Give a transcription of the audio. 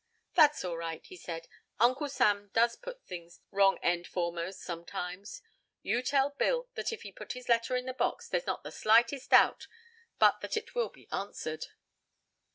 "That's all right," he said. "Uncle Sam does put things wrong end foremost sometimes. You tell Bill that if he put his letter in the box there's not the slightest doubt but that it will be answered."